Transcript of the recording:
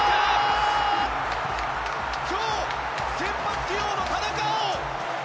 今日先発起用の田中碧